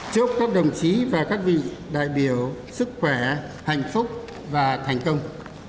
chúc các đồng chí và các vị đại biểu sức khỏe hạnh phúc và thành công